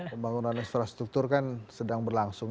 pembangunan infrastruktur kan sedang berlangsung